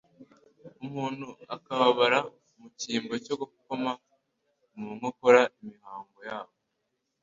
umuntu akababara mu cyimbo cyo gukoma mu nkokora imihango ya bo